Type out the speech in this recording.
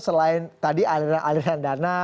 selain tadi aliran aliran dana